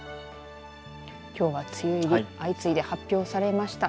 きょうは梅雨入り、相次いで発表されました。